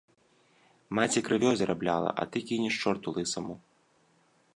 Маці крывёй зарабляла, а ты кінеш чорту лысаму.